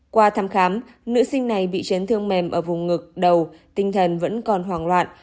qua thăm khám nữ sinh này bị chấn thương mềm ở vùng ngực đầu tinh thần vẫn còn hoảng loạn